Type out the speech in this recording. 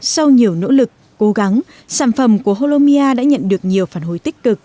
sau nhiều nỗ lực cố gắng sản phẩm của holomia đã nhận được nhiều phản hồi tích cực